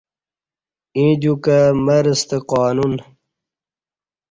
ییں دیوکہ مرہ ستہ قانون